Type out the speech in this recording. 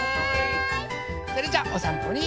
それじゃあおさんぽに。